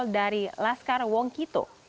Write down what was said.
dari laskar wongkito